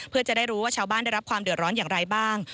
เพื่อจะได้รู้ว่าชาวบ้านได้รับความเดือดร้อนอย่างไรบ้าง